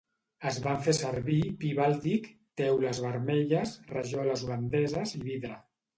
Es van fer servir pi bàltic, teules vermelles, rajoles holandeses i vidre.